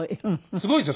すごいですよ。